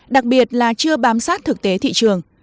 đặc biệt là chưa bám sát thực tế thị trường